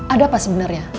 ada apa sebenarnya